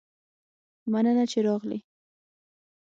مننه چې راغلي